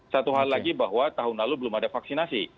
satu hal lagi bahwa tahun lalu belum ada vaksinasi